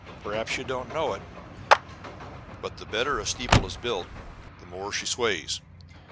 Perhaps you don't know it, but the better a steeple is built the more she sways.